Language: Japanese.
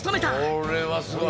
これはすごい！